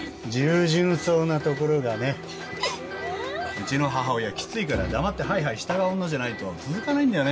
うちの母親きついから黙ってはいはい従う女じゃないと続かないんだよね。